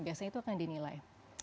biasanya itu akan dinilai